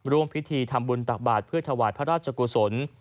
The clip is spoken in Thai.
ร่วมพิธีทำบุญตักบาทเพื่อถวายพระราชกุศล